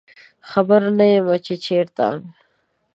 خبر نه یمه چې چیرته